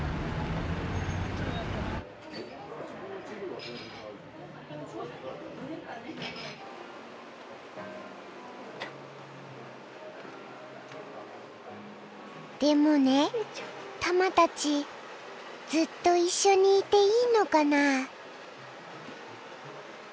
多分でもねたまたちずっと一緒にいていいのかな？